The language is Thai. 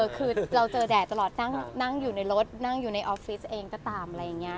คือเราเจอแดดตลอดนั่งอยู่ในรถนั่งอยู่ในออฟฟิศเองก็ตามอะไรอย่างนี้